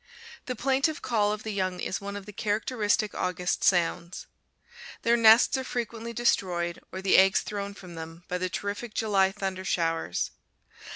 The plaintive call of the young is one of the characteristic August sounds. Their nests are frequently destroyed, or the eggs thrown from them, by the terrific July thunder showers.